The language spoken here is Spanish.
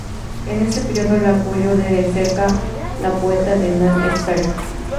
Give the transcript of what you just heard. En ese período la apoyó de cerca la poeta Nan Shepherd.